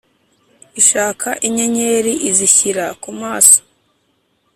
ishaka inyenyeri izishyira ku maso,